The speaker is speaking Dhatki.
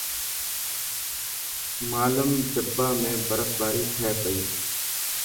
مالم جبا ۾ برف باري ٿي پئي.